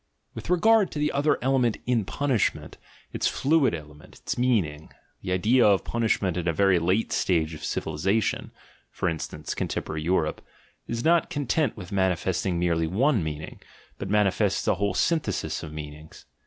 With regard to the other element in punishment, its fluid element, its meaning, the idea of punishment in a very Jate stage of civilisation (for instance, contemporary Europe) is not content with man ifesting merely one meaning, but manifests a whole syn thesis "of meanings."